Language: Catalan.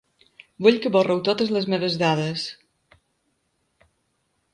Vull que borreu totes les meves dades.